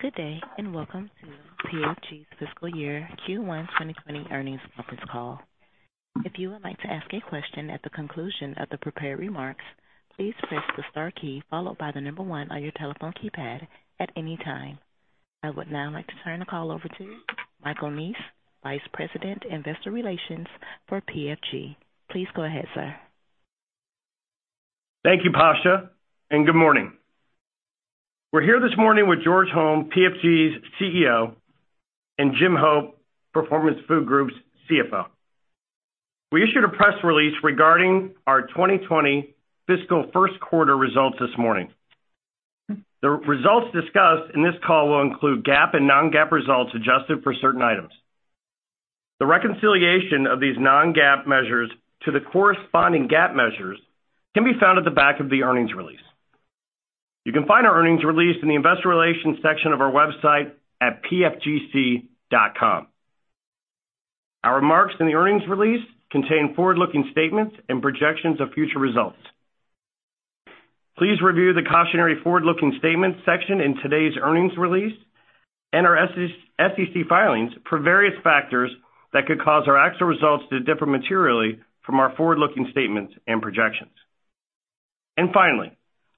Good day, and welcome to PFG's fiscal year Q1 2020 earnings conference call. If you would like to ask a question at the conclusion of the prepared remarks, please press the star key followed by the number one on your telephone keypad at any time. I would now like to turn the call over to Michael Neese, Vice President, Investor Relations for PFG. Please go ahead, sir. Thank you, Pasha, and good morning. We're here this morning with George Holm, PFG's CEO, and Jim Hope, Performance Food Group's CFO. We issued a press release regarding our 2020 fiscal Q1 results this morning. The results discussed in this call will include GAAP and non-GAAP results adjusted for certain items. The reconciliation of these non-GAAP measures to the corresponding GAAP measures can be found at the back of the earnings release. You can find our earnings release in the investor relations section of our website at pfgc.com. Our remarks in the earnings release contain forward-looking statements and projections of future results. Please review the cautionary forward-looking statements section in today's earnings release and our SEC filings for various factors that could cause our actual results to differ materially from our forward-looking statements and projections. And finally,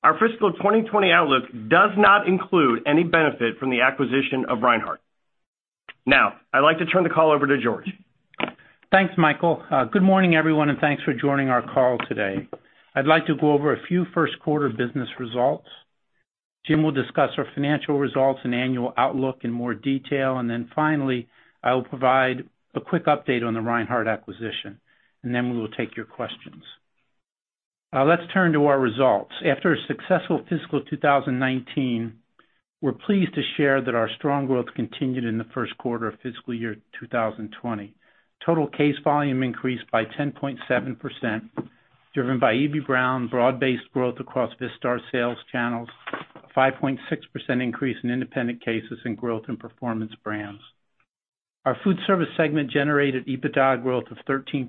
our fiscal 2020 outlook does not include any benefit from the acquisition of Reinhart. Now, I'd like to turn the call over to George. Thanks, Michael. Good morning, everyone, and thanks for joining our call today. I'd like to go over a few Q1 business results. Jim will discuss our financial results and annual outlook in more detail, and then finally, I will provide a quick update on the Reinhart acquisition, and then we will take your questions. Let's turn to our results. After a successful fiscal 2019, we're pleased to share that our strong growth continued in the Q1 of fiscal year 2020. Total case volume increased by 10.7%, driven by Eby-Brown, broad-based growth across Vistar sales channels, a 5.6% increase in independent cases and growth in Performance Brands. Our Foodservice segment generated EBITDA growth of 13%,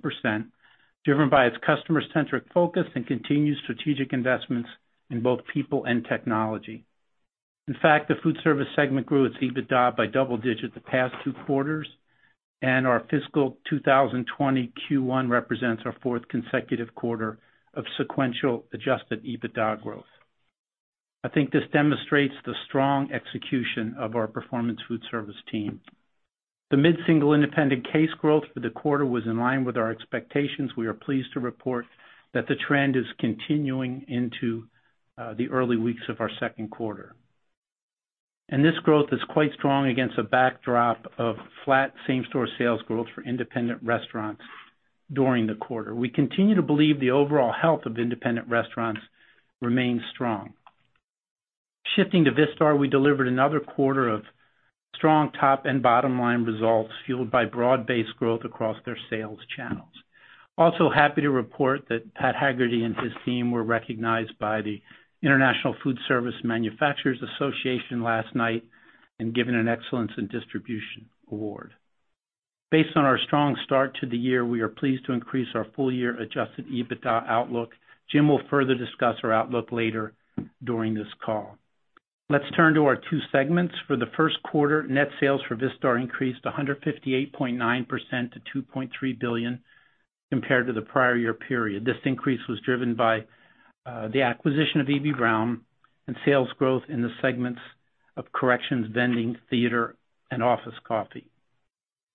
driven by its customer-centric focus and continued strategic investments in both people and technology. In fact, the Foodservice segment grew its EBITDA by double-digit the past two quarters, and our fiscal 2020 Q1 represents our fourth consecutive quarter of sequential adjusted EBITDA growth. I think this demonstrates the strong execution of our Performance Foodservice team. The mid-single independent case growth for the quarter was in line with our expectations. We are pleased to report that the trend is continuing into the early weeks of our Q2. This growth is quite strong against a backdrop of flat same-store sales growth for independent restaurants during the quarter. We continue to believe the overall health of independent restaurants remains strong. Shifting to Vistar, we delivered another quarter of strong top and bottom line results, fueled by broad-based growth across their sales channels. Also happy to report that Pat Hagerty and his team were recognized by the International Foodservice Manufacturers Association last night and given an Excellence in Distribution award. Based on our strong start to the year, we are pleased to increase our full-year Adjusted EBITDA outlook. Jim will further discuss our outlook later during this call. Let's turn to our two segments. For the Q1, net sales for Vistar increased 158.9% to $2.3 billion compared to the prior year period. This increase was driven by the acquisition of Eby-Brown and sales growth in the segments of corrections, vending, theater, and office coffee.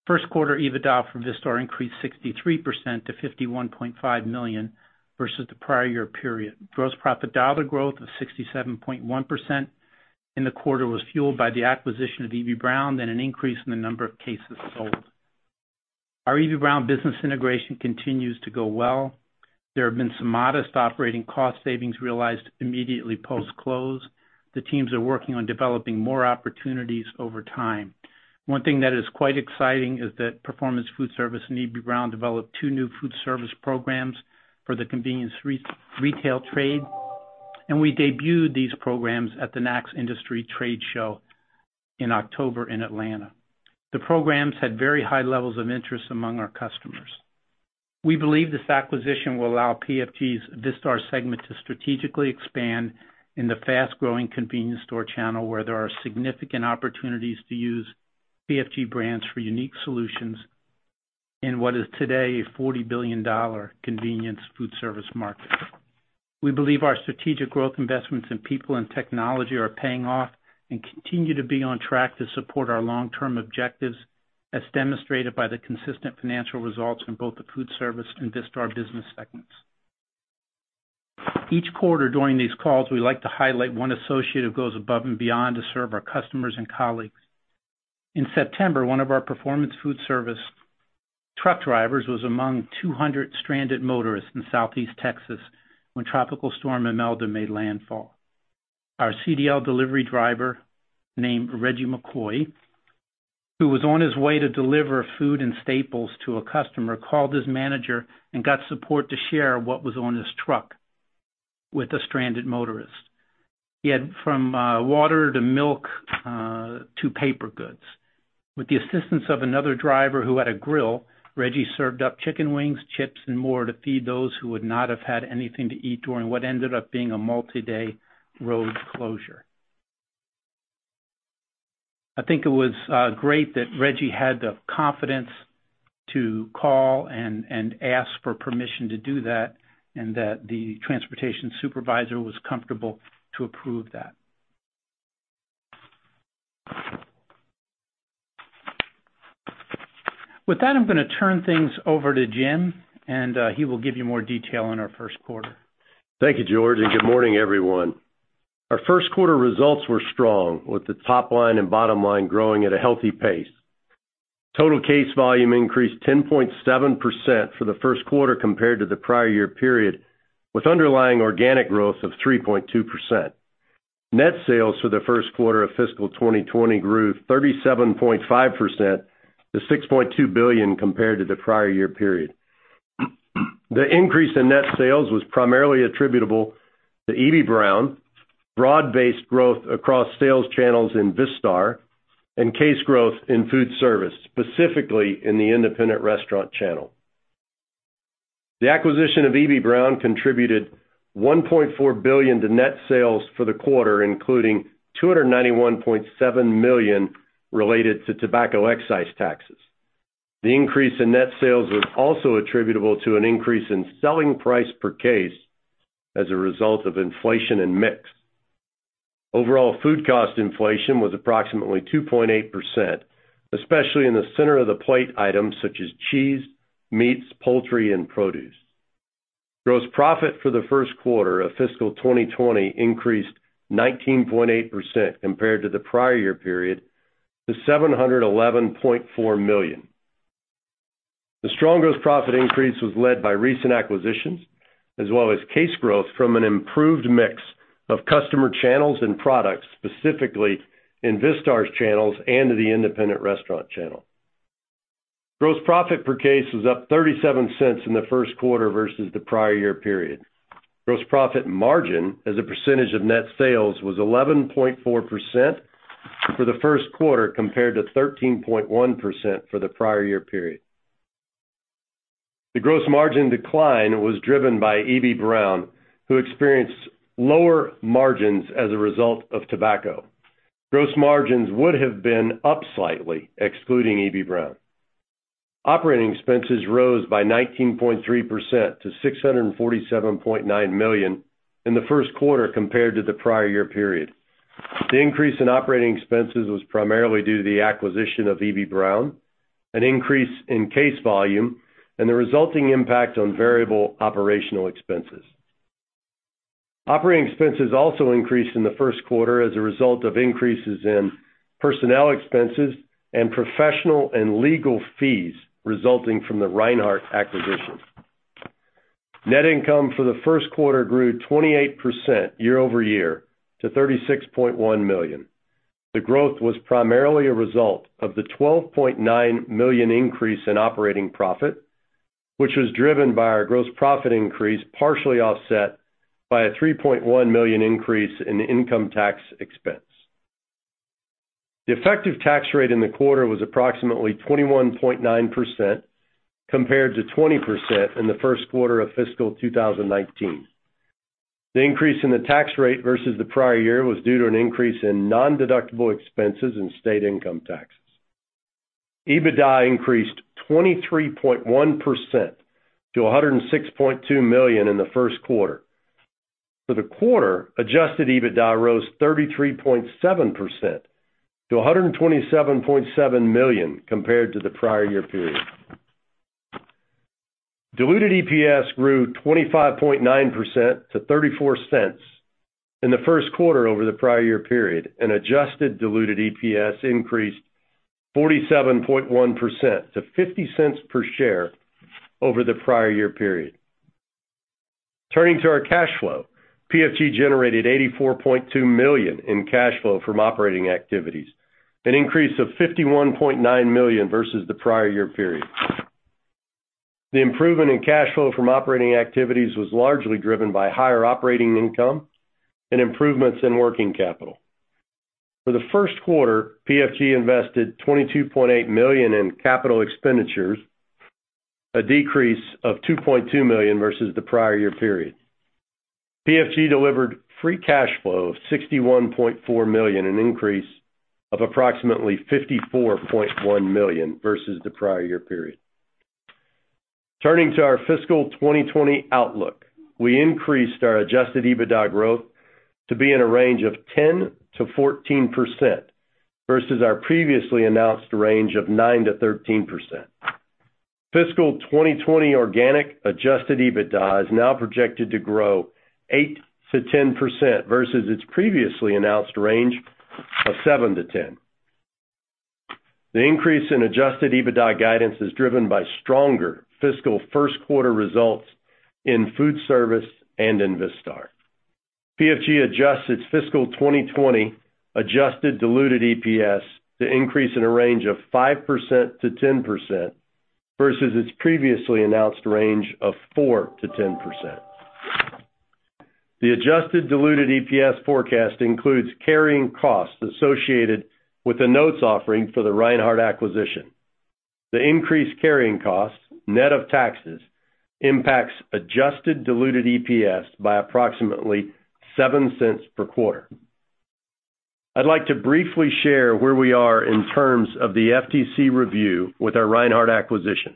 Q1, EBITDA for Vistar increased 63% to $51.5 million versus the prior year period. Gross profit dollar growth of 67.1% in the quarter was fueled by the acquisition of Eby-Brown and an increase in the number of cases sold. Our Eby-Brown business integration continues to go well. There have been some modest operating cost savings realized immediately post-close. The teams are working on developing more opportunities over time. One thing that is quite exciting is that Performance Foodservice and Eby-Brown developed 2 new Foodservice programs for the convenience retail trade, and we debuted these programs at the NACS Industry Trade Show in October in Atlanta. The programs had very high levels of interest among our customers. We believe this acquisition will allow PFG's Vistar segment to strategically expand in the fast-growing convenience store channel, where there are significant opportunities to use PFG brands for unique solutions in what is today a $40 billion convenience Foodservice market. We believe our strategic growth investments in people and technology are paying off and continue to be on track to support our long-term objectives, as demonstrated by the consistent financial results in both the Foodservice and Vistar business segments. Each quarter during these calls, we like to highlight one associate who goes above and beyond to serve our customers and colleagues. In September, one of our Performance Foodservice truck drivers was among 200 stranded motorists in Southeast Texas when Tropical Storm Imelda made landfall. Our CDL delivery driver, named Reggie McCoy, who was on his way to deliver food and staples to a customer, called his manager and got support to share what was on his truck with the stranded motorists. He had from water to milk to paper goods. With the assistance of another driver who had a grill, Reggie served up chicken wings, chips, and more to feed those who would not have had anything to eat during what ended up being a multi-day road closure. I think it was great that Reggie had the confidence to call and ask for permission to do that, and that the transportation supervisor was comfortable to approve that. With that, I'm gonna turn things over to Jim, and he will give you more detail on our Q1. Thank you, George, and good morning, everyone. Our Q1 results were strong, with the top line and bottom line growing at a healthy pace. Total case volume increased 10.7% for the Q1 compared to the prior year period, with underlying organic growth of 3.2%. Net sales for the Q1 of fiscal 2020 grew 37.5% to $6.2 billion compared to the prior year period. The increase in net sales was primarily attributable to Eby-Brown, broad-based growth across sales channels in Vistar, and case growth in Foodservice, specifically in the independent restaurant channel. The acquisition of Eby-Brown contributed $1.4 billion to net sales for the quarter, including $291.7 million related to tobacco excise taxes. The increase in net sales was also attributable to an increase in selling price per case as a result of inflation and mix. Overall food cost inflation was approximately 2.8%, especially in the center of the plate items such as cheese, meats, poultry, and produce. Gross profit for the Q1 of fiscal 2020 increased 19.8% compared to the prior year period, to $711.4 million. The strong gross profit increase was led by recent acquisitions, as well as case growth from an improved mix of customer channels and products, specifically in Vistar's channels and in the independent restaurant channel. Gross profit per case was up $0.37 in the Q1 versus the prior year period. Gross profit margin, as a percentage of net sales, was 11.4% for the Q1, compared to 13.1% for the prior year period. The gross margin decline was driven by Eby-Brown, who experienced lower margins as a result of tobacco. Gross margins would have been up slightly, excluding Eby-Brown. Operating expenses rose by 19.3% to $647.9 million in the Q1 compared to the prior year period. The increase in operating expenses was primarily due to the acquisition of Eby-Brown, an increase in case volume, and the resulting impact on variable operational expenses. Operating expenses also increased in the Q1 as a result of increases in personnel expenses and professional and legal fees resulting from the Reinhart acquisition. Net income for the Q1 grew 28% year-over-year to $36.1 million. The growth was primarily a result of the $12.9 million increase in operating profit, which was driven by our gross profit increase, partially offset by a $3.1 million increase in income tax expense. The effective tax rate in the quarter was approximately 21.9%, compared to 20% in the Q1 of fiscal 2019. The increase in the tax rate versus the prior year was due to an increase in nondeductible expenses and state income taxes. EBITDA increased 23.1% to $106.2 million in the Q1. For the quarter, adjusted EBITDA rose 33.7% to $127.7 million compared to the prior year period. Diluted EPS grew 25.9% to $0.34 in the Q1 over the prior year period, and adjusted diluted EPS increased 47.1% to $0.50 per share over the prior year period. Turning to our cash flow, PFG generated $84.2 million in cash flow from operating activities, an increase of $51.9 million versus the prior year period. The improvement in cash flow from operating activities was largely driven by higher operating income and improvements in working capital. For the first quarter, PFG invested $22.8 million in capital expenditures, a decrease of $2.2 million versus the prior year period. PFG delivered free cash flow of $61.4 million, an increase of approximately $54.1 million versus the prior year period. Turning to our fiscal 2020 outlook, we increased our adjusted EBITDA growth to be in a range of 10%–14% versus our previously announced range of 9%–13%. Fiscal 2020 organic adjusted EBITDA is now projected to grow 8%–10% versus its previously announced range of 7%–10%. The increase in adjusted EBITDA guidance is driven by stronger fiscal Q1 results in Foodservice and in Vistar. PFG adjusts its fiscal 2020 adjusted diluted EPS to increase in a range of 5%–10% versus its previously announced range of 4%–10%. The adjusted diluted EPS forecast includes carrying costs associated with the notes offering for the Reinhart acquisition. The increased carrying costs, net of taxes, impacts adjusted diluted EPS by approximately $0.07 per quarter. I'd like to briefly share where we are in terms of the FTC review with our Reinhart acquisition.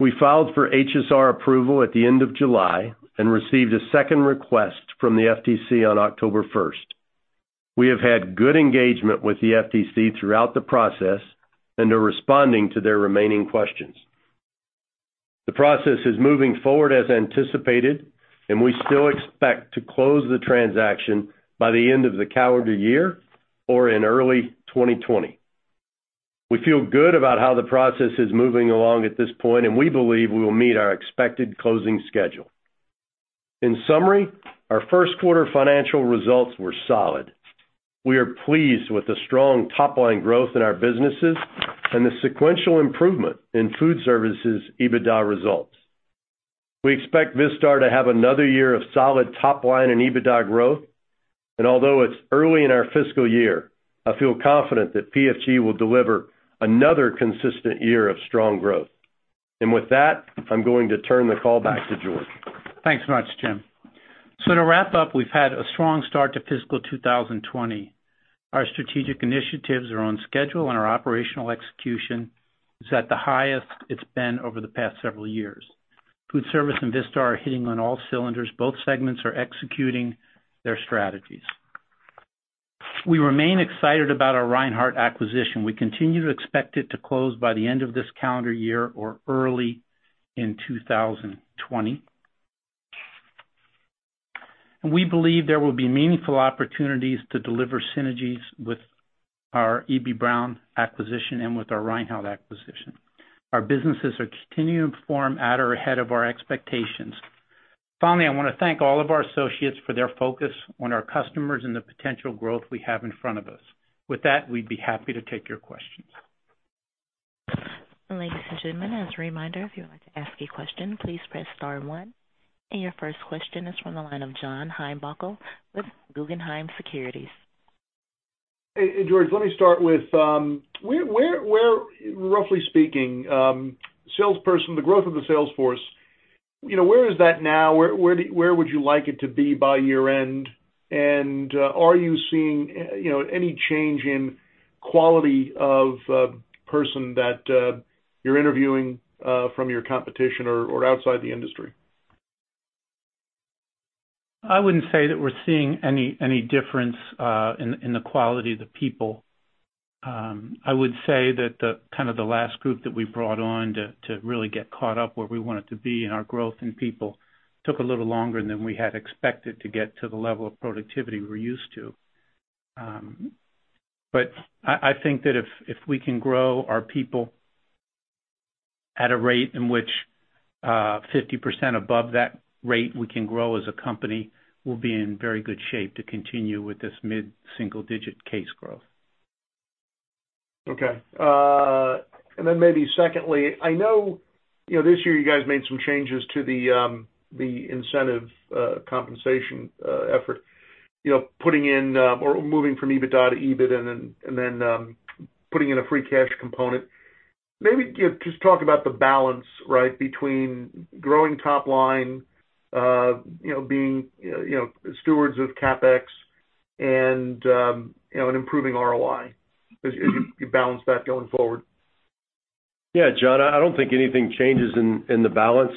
We filed for HSR approval at the end of July and received a second request from the FTC on October first. We have had good engagement with the FTC throughout the process and are responding to their remaining questions. The process is moving forward as anticipated, and we still expect to close the transaction by the end of the calendar year or in early 2020. We feel good about how the process is moving along at this point, and we believe we will meet our expected closing schedule. In summary, our Q1 financial results were solid. We are pleased with the strong top line growth in our businesses and the sequential improvement in Foodservice's EBITDA results. We expect Vistar to have another year of solid top line and EBITDA growth. Although it's early in our fiscal year, I feel confident that PFG will deliver another consistent year of strong growth. With that, I'm going to turn the call back to George. Thanks much, Jim. So to wrap up, we've had a strong start to fiscal 2020. Our strategic initiatives are on schedule, and our operational execution is at the highest it's been over the past several years. Foodservice and Vistar are hitting on all cylinders. Both segments are executing their strategies. We remain excited about our Reinhart acquisition. We continue to expect it to close by the end of this calendar year or early in 2020. And we believe there will be meaningful opportunities to deliver synergies with our Eby-Brown acquisition and with our Reinhart acquisition. Our businesses are continuing to perform at or ahead of our expectations. Finally, I wanna thank all of our associates for their focus on our customers and the potential growth we have in front of us. With that, we'd be happy to take your questions. Ladies and gentlemen, as a reminder, if you'd like to ask a question, please press star one. Your first question is from the line of John Heinbockel with Guggenheim Securities. Hey, George, let me start with where, roughly speaking, salesperson, the growth of the salesforce, you know, where is that now? Where would you like it to be by year-end? And are you seeing, you know, any change in quality of person that you're interviewing from your competition or outside the industry? I wouldn't say that we're seeing any difference in the quality of the people. I would say that the kind of the last group that we brought on to really get caught up where we wanted to be in our growth in people took a little longer than we had expected to get to the level of productivity we're used to. But I think that if we can grow our people at a rate in which 50% above that rate we can grow as a company, we'll be in very good shape to continue with this mid-single digit case growth. Okay. And then maybe secondly, I know, you know, this year you guys made some changes to the incentive compensation effort, you know, putting in or moving from EBITDA to EBIT and then putting in a free cash component. Maybe, you know, just talk about the balance, right, between growing top line, you know, being, you know, stewards of CapEx and improving ROI. As you balance that going forward. Yeah, John, I don't think anything changes in the balance.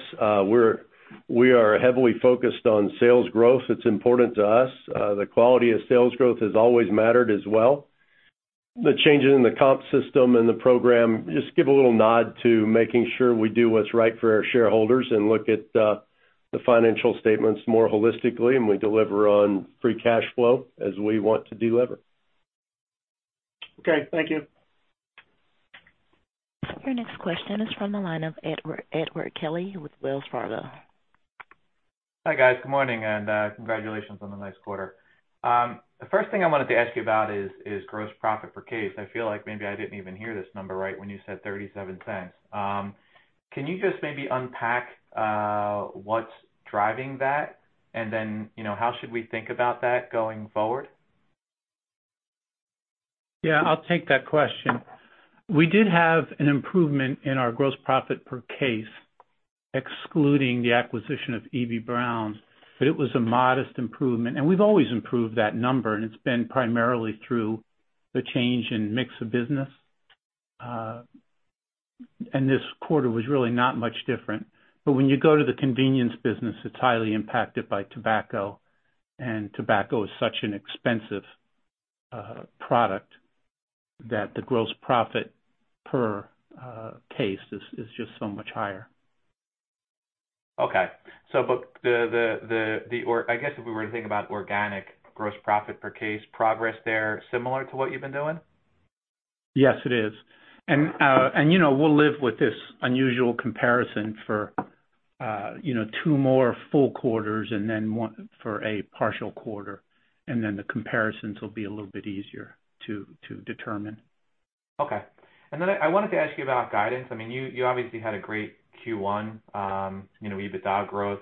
We're heavily focused on sales growth. It's important to us. The quality of sales growth has always mattered as well. The changes in the comp system and the program just give a little nod to making sure we do what's right for our shareholders and look at the financial statements more holistically, and we deliver on free cash flow as we want to deliver. Okay, thank you. Your next question is from the line of Edward, Edward Kelly with Wells Fargo. Hi, guys. Good morning, and congratulations on the nice quarter. The first thing I wanted to ask you about is gross profit per case. I feel like maybe I didn't even hear this number right when you said $0.37. Can you just maybe unpack what's driving that? And then, you know, how should we think about that going forward? Yeah, I'll take that question. We did have an improvement in our gross profit per case, excluding the acquisition of Eby-Brown, but it was a modest improvement. And we've always improved that number, and it's been primarily through the change in mix of business. And this quarter was really not much different. But when you go to the convenience business, it's highly impacted by tobacco, and tobacco is such an expensive product, that the gross profit per case is just so much higher. Okay. So but the or I guess if we were to think about organic gross profit per case, progress there, similar to what you've been doing? Yes, it is. And, you know, we'll live with this unusual comparison for, you know, two more full quarters and then one for a partial quarter, and then the comparisons will be a little bit easier to determine.... Okay. And then I wanted to ask you about guidance. I mean, you obviously had a great Q1, you know, EBITDA growth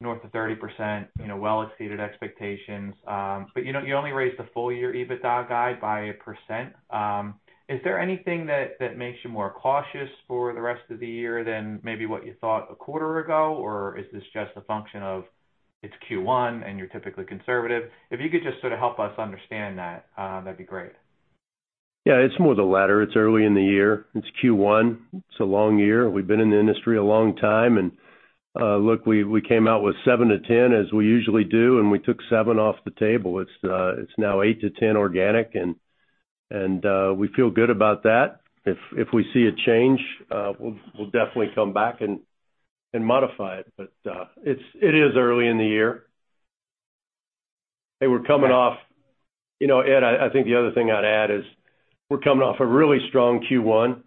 north of 30%, you know, well exceeded expectations. But, you know, you only raised the full year EBITDA guide by 1%. Is there anything that makes you more cautious for the rest of the year than maybe what you thought a quarter ago? Or is this just a function of it's Q1, and you're typically conservative? If you could just sort of help us understand that, that'd be great. Yeah, it's more the latter. It's early in the year. It's Q1. It's a long year. We've been in the industry a long time, and, look, we came out with 7–10, as we usually do, and we took 7 off the table. It's, it's now 8–10 organic, and, and, we feel good about that. If we see a change, we'll definitely come back and, and modify it. But, it's, it is early in the year. Hey, we're coming off. You know, Ed, I think the other thing I'd add is, we're coming off a really strong Q1.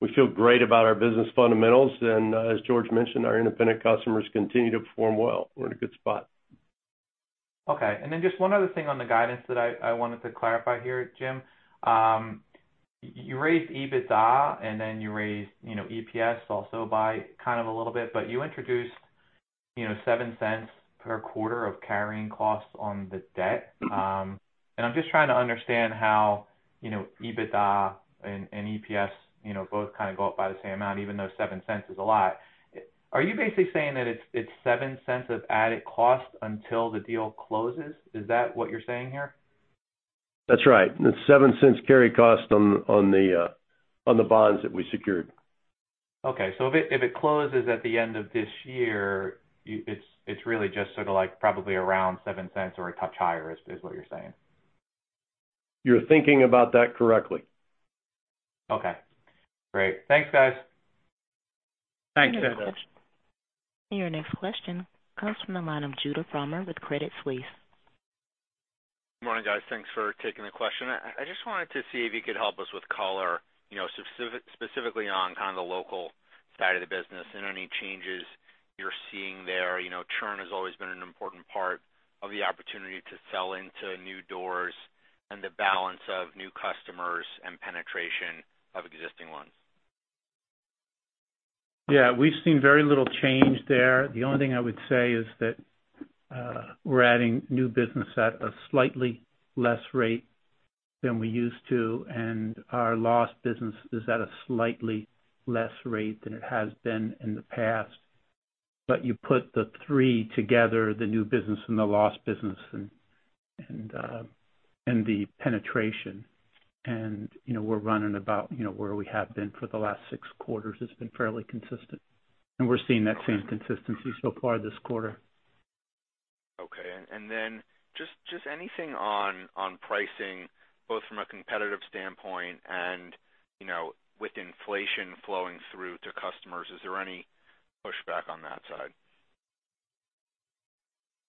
We feel great about our business fundamentals, and as George mentioned, our independent customers continue to perform well. We're in a good spot. Okay. And then just one other thing on the guidance that I wanted to clarify here, Jim. You raised EBITDA, and then you raised, you know, EPS also by kind of a little bit, but you introduced, you know, $0.07 per quarter of carrying costs on the debt. And I'm just trying to understand how, you know, EBITDA and EPS, you know, both kind of go up by the same amount, even though $0.07 is a lot. Are you basically saying that it's $0.07 of added cost until the deal closes? Is that what you're saying here? That's right. It's $0.07 carry cost on the bonds that we secured. Okay. So if it closes at the end of this year, it's really just sort of like probably around $0.07 or a touch higher, is what you're saying? You're thinking about that correctly. Okay, great. Thanks, guys. Thanks. Your next question comes from the line of Judah Frommer with Credit Suisse. Good morning, guys. Thanks for taking the question. I just wanted to see if you could help us with color, you know, specifically on kind of the local side of the business and any changes you're seeing there. You know, churn has always been an important part of the opportunity to sell into new doors and the balance of new customers and penetration of existing ones. Yeah, we've seen very little change there. The only thing I would say is that we're adding new business at a slightly less rate than we used to, and our lost business is at a slightly less rate than it has been in the past. But you put the three together, the new business and the lost business and the penetration, and, you know, we're running about, you know, where we have been for the last six quarters. It's been fairly consistent, and we're seeing that same consistency so far this quarter. Okay. Then just anything on pricing, both from a competitive standpoint and, you know, with inflation flowing through to customers, is there any pushback on that side?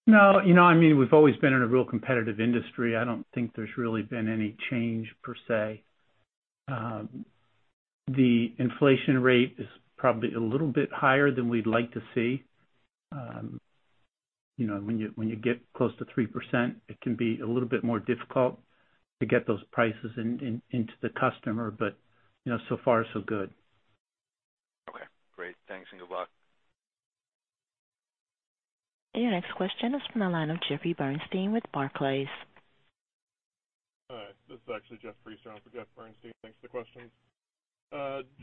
No, you know, I mean, we've always been in a real competitive industry. I don't think there's really been any change per se. The inflation rate is probably a little bit higher than we'd like to see. You know, when you get close to 3%, it can be a little bit more difficult to get those prices into the customer, but, you know, so far, so good. Okay, great. Thanks, and good luck. Your next question is from the line of Jeffrey Bernstein with Barclays. Hi, this is actually Jeff Frieser in for Jeffrey Bernstein. Thanks for the questions.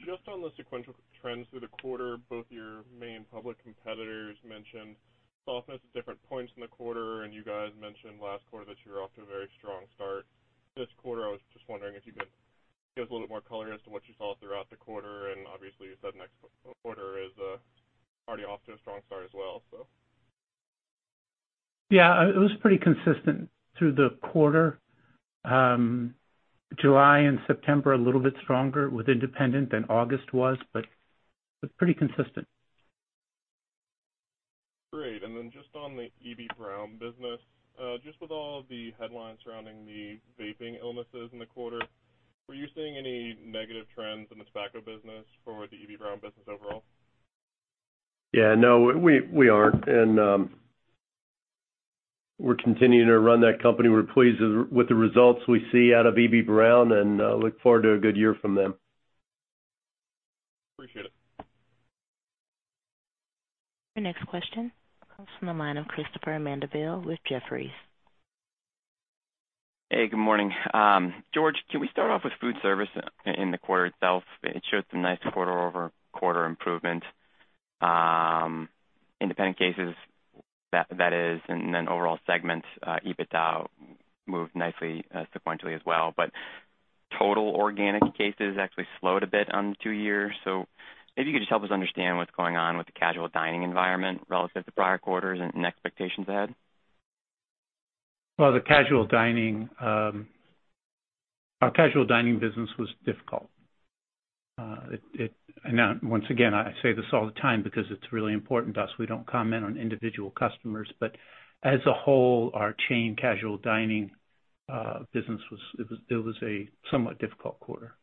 Just on the sequential trends through the quarter, both your main public competitors mentioned softness at different points in the quarter, and you guys mentioned last quarter that you were off to a very strong start. This quarter, I was just wondering if you could give us a little bit more color as to what you saw throughout the quarter, and obviously, you said next quarter is already off to a strong start as well, so. Yeah, it was pretty consistent through the quarter. July and September, a little bit stronger with independent than August was, but it's pretty consistent. Great. And then just on the Eby-Brown business, just with all the headlines surrounding the vaping illnesses in the quarter, were you seeing any negative trends in the tobacco business for the Eby-Brown business overall? Yeah, no, we aren't, and we're continuing to run that company. We're pleased with the results we see out of Eby-Brown and look forward to a good year from them. Appreciate it. Your next question comes from the line of Christopher Mandeville with Jefferies. Hey, good morning. George, can we start off with Foodservice in the quarter itself? It shows some nice quarter-over-quarter improvement, independent cases, that is, and then overall segments, EBITDA moved nicely, sequentially as well. But total organic cases actually slowed a bit on the two years. So maybe you could just help us understand what's going on with the casual dining environment relative to prior quarters and expectations ahead. Well, the casual dining, our casual dining business was difficult. And now, once again, I say this all the time because it's really important to us. We don't comment on individual customers, but as a whole, our chain casual dining business was a somewhat difficult quarter.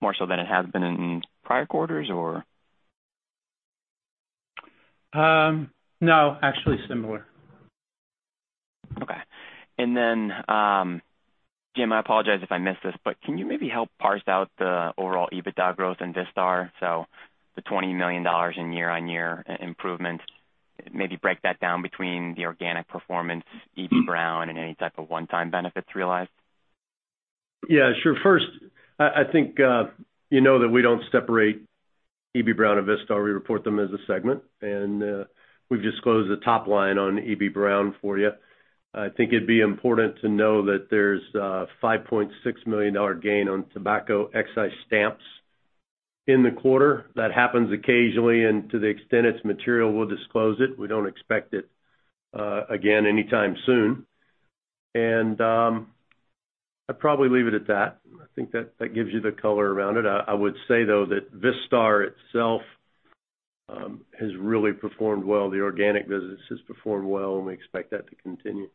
More so than it has been in prior quarters, or? No, actually similar. Okay. And then, Jim, I apologize if I missed this, but can you maybe help parse out the overall EBITDA growth in Vistar? So the $20 million in year-on-year improvements, maybe break that down between the organic performance, Eby-Brown, and any type of one-time benefits realized. Yeah, sure. First, I think you know that we don't separate Eby-Brown and Vistar. We report them as a segment, and we've disclosed the top line on Eby-Brown for you. I think it'd be important to know that there's a $5.6 million gain on tobacco excise stamps in the quarter. That happens occasionally, and to the extent it's material, we'll disclose it. We don't expect it again anytime soon. And I'd probably leave it at that. I think that gives you the color around it. I would say, though, that Vistar itself has really performed well. The organic business has performed well, and we expect that to continue.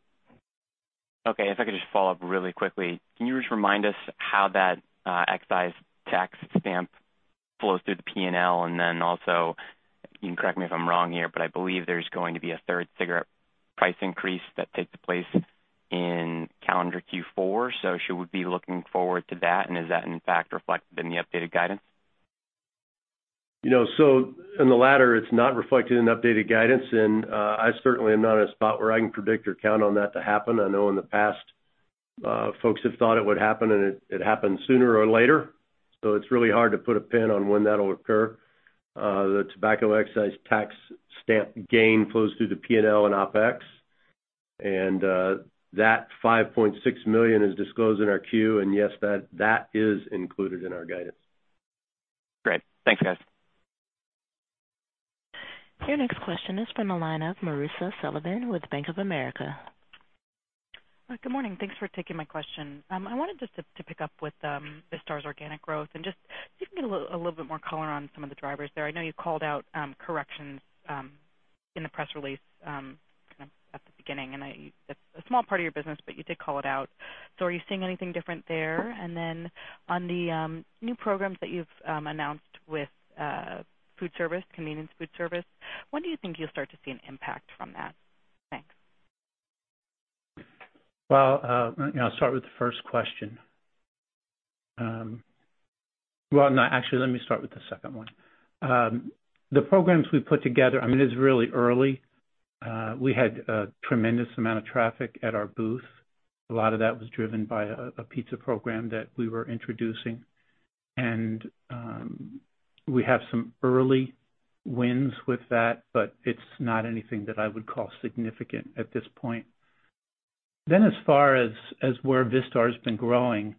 Okay. If I could just follow up really quickly, can you just remind us how that, excise tax stamp flows through the P&L? And then also, you can correct me if I'm wrong here, but I believe there's going to be a third cigarette price increase that takes place in calendar Q4. So should we be looking forward to that? And is that in fact reflected in the updated guidance? You know, so in the latter, it's not reflected in the updated guidance. And, I certainly am not in a spot where I can predict or count on that to happen. I know in the past, folks have thought it would happen, and it, it happened sooner or later. So it's really hard to put a pin on when that'll occur. The tobacco excise tax stamp gain flows through the P&L and OpEx, and, that $5.6 million is disclosed in our Q. And yes, that, that is included in our guidance. Great. Thanks, guys. Your next question is from the line of Marisa Sullivan with Bank of America. Good morning. Thanks for taking my question. I wanted just to pick up with Vistar's organic growth and just see if you can give a little bit more color on some of the drivers there. I know you called out corrections in the press release kind of at the beginning, and I... It's a small part of your business, but you did call it out. So are you seeing anything different there? And then on the new programs that you've announced with Foodservice, convenience Foodservice, when do you think you'll start to see an impact from that? Thanks. Well, you know, I'll start with the first question. Well, no, actually, let me start with the second one. The programs we've put together, I mean, it's really early. We had a tremendous amount of traffic at our booth. A lot of that was driven by a pizza program that we were introducing, and we have some early wins with that, but it's not anything that I would call significant at this point. Then, as far as where Vistar has been growing,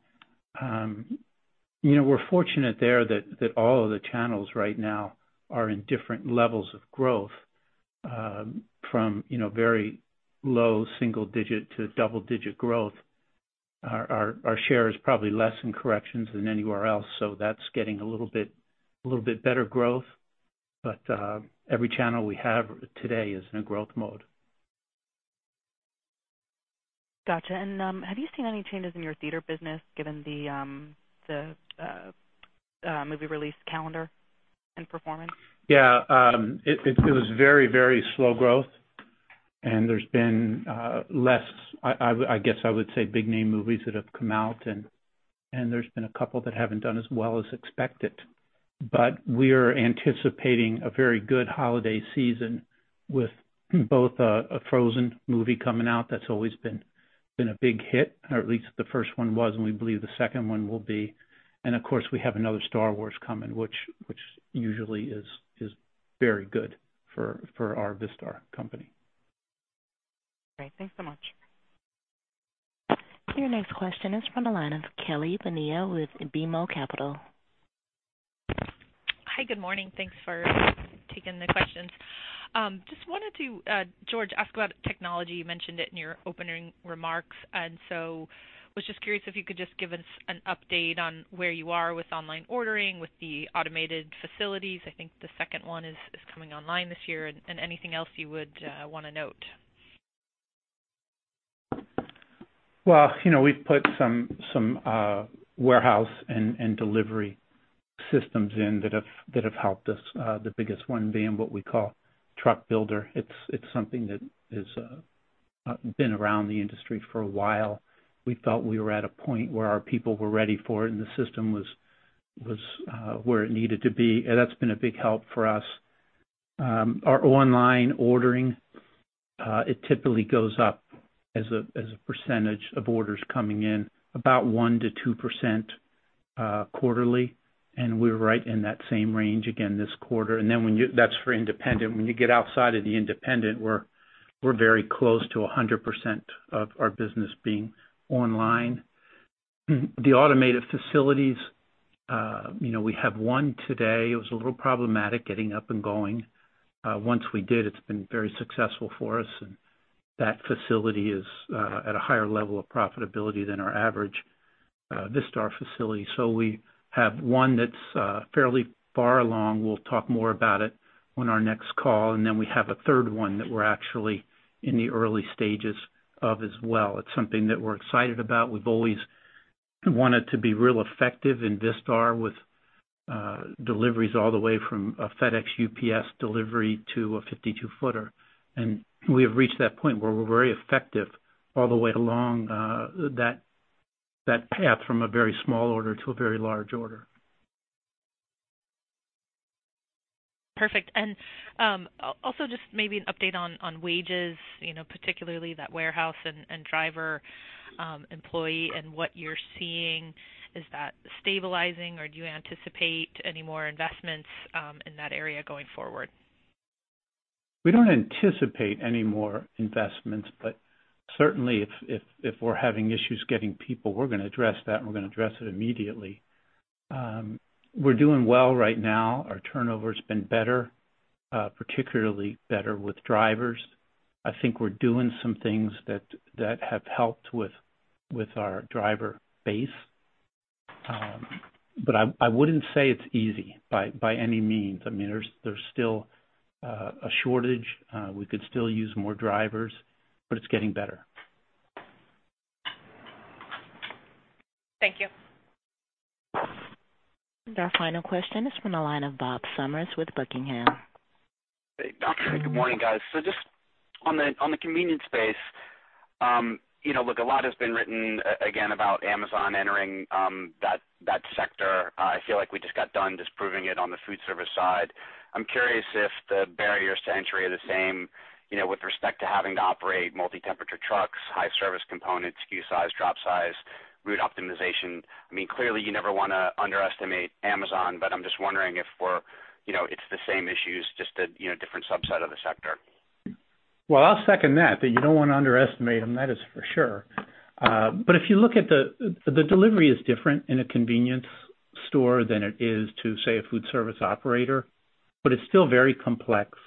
you know, we're fortunate there that all of the channels right now are in different levels of growth, from, you know, very low single digit to double digit growth. Our share is probably less in corrections than anywhere else, so that's getting a little bit, little bit better growth. Every channel we have today is in a growth mode. Gotcha. And, have you seen any changes in your theater business given the movie release calendar and performance? Yeah. It was very, very slow growth, and there's been less, I guess I would say, big name movies that have come out, and there's been a couple that haven't done as well as expected. But we are anticipating a very good holiday season with both a Frozen movie coming out, that's always been a big hit, or at least the first one was, and we believe the second one will be. And of course, we have another Star Wars coming, which usually is very good for our Vistar company. Great. Thanks so much. Your next question is from the line of Kelly Bania with BMO Capital. Hi, good morning. Thanks for taking the questions. Just wanted to, George, ask about technology. You mentioned it in your opening remarks, and so was just curious if you could just give us an update on where you are with online ordering, with the automated facilities. I think the second one is coming online this year and anything else you would wanna note. Well, you know, we've put some warehouse and delivery systems in that have helped us, the biggest one being what we call Truck Builder. It's something that has been around the industry for a while. We felt we were at a point where our people were ready for it, and the system was where it needed to be, and that's been a big help for us. Our online ordering, it typically goes up as a percentage of orders coming in, about 1%–2% quarterly, and we're right in that same range again this quarter. And then when you... That's for independent. When you get outside of the independent, we're very close to 100% of our business being online. The automated facilities, you know, we have one today. It was a little problematic getting up and going. Once we did, it's been very successful for us, and that facility is at a higher level of profitability than our average Vistar facility. So we have one that's fairly far along. We'll talk more about it on our next call, and then we have a third one that we're actually in the early stages of as well. It's something that we're excited about. We want it to be real effective in Vistar with deliveries all the way from a FedEx, UPS delivery to a 52 footer. And we have reached that point where we're very effective all the way along that path from a very small order to a very large order. Perfect. And, also just maybe an update on wages, you know, particularly that warehouse and driver, employee, and what you're seeing. Is that stabilizing, or do you anticipate any more investments, in that area going forward? We don't anticipate any more investments, but certainly if we're having issues getting people, we're gonna address that, and we're gonna address it immediately. We're doing well right now. Our turnover's been better, particularly better with drivers. I think we're doing some things that have helped with our driver base. But I wouldn't say it's easy by any means. I mean, there's still a shortage. We could still use more drivers, but it's getting better. Thank you. Our final question is from the line of Bob Summers with Buckingham. Hey, good morning, guys. So just on the convenience space, you know, look, a lot has been written, again, about Amazon entering that sector. I feel like we just got done disproving it on the Foodservice side. I'm curious if the barriers to entry are the same, you know, with respect to having to operate multi-temperature trucks, high service components, SKU size, drop size, route optimization. I mean, clearly, you never wanna underestimate Amazon, but I'm just wondering if we're, you know, it's the same issues, just a, you know, different subset of the sector. Well, I'll second that, that you don't wanna underestimate them, that is for sure. But if you look at the delivery is different in a convenience store than it is to, say, a Foodservice operator, but it's still very complex.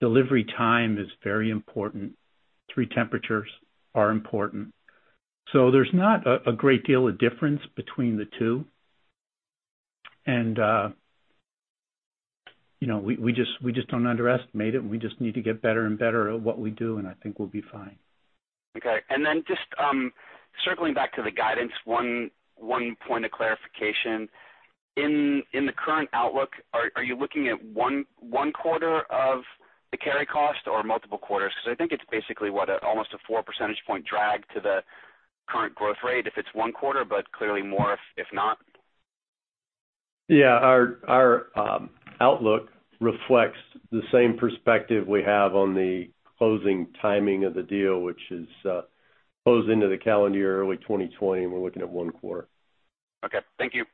Delivery time is very important. Three temperatures are important. So there's not a great deal of difference between the two. You know, we just don't underestimate it, and we just need to get better and better at what we do, and I think we'll be fine. Okay. And then just circling back to the guidance, one point of clarification. In the current outlook, are you looking at one quarter of the carry cost or multiple quarters? Because I think it's basically what, almost a 4 percentage point drag to the current growth rate if it's one quarter, but clearly more if not. Yeah, our outlook reflects the same perspective we have on the closing timing of the deal, which is closed into the calendar year, early 2020, and we're looking at one quarter. Okay. Thank you.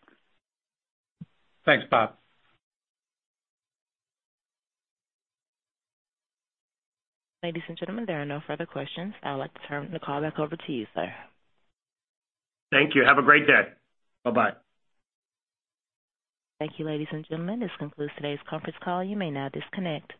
Thanks, Bob. Ladies and gentlemen, there are no further questions. I would like to turn the call back over to you, sir. Thank you. Have a great day. Bye-bye. Thank you, ladies and gentlemen, this concludes today's conference call. You may now disconnect.